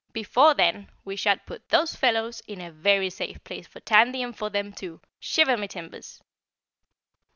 "Before then we shall put those fellows in a very safe place for Tandy and for them too, shiver my timbers!"